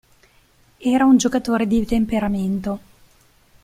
Era un giocatore di temperamento.